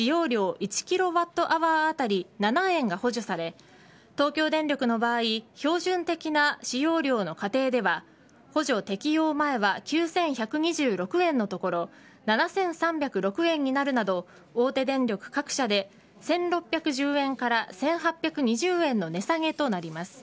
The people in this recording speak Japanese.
１キロワットアワーあたり７円が補助され東京電力の場合標準的な使用量の家庭では補助適用前は９１２６円のところ７３０６円になるなど大手電力各社で１６１０円から１８２０円の値下げとなります。